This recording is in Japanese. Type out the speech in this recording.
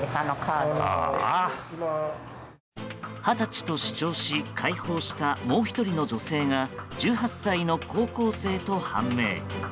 二十歳と主張し、解放したもう１人の女性が１８歳の高校生と判明。